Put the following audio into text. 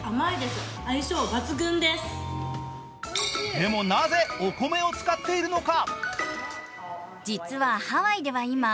でもなぜお米を使っているのか。